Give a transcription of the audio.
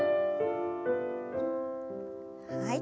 はい。